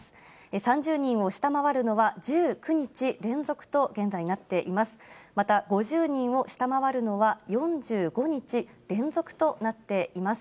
３０人を下回るのは１９日連続と現在、鳴っています。